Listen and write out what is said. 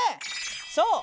そう！